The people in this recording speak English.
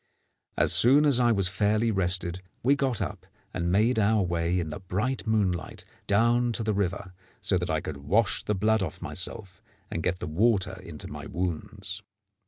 As soon as I was fairly rested, we got up and made our way in the bright moonlight down to the river, so that I could wash the blood off myself and get the water into my wounds.